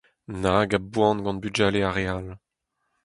Nag a boan gant bugale ar re-all !